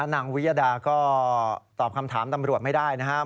วิยดาก็ตอบคำถามตำรวจไม่ได้นะครับ